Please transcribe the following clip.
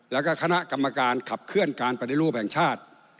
แล้วก็คณะกรรมการขับเคลื่อนการปฏิรูปแห่งชาติ